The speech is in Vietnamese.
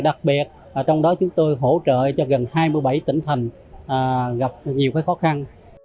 đặc biệt trong đó chúng tôi hỗ trợ cho gần hai mươi bảy tỉnh thành gặp nhiều khó khăn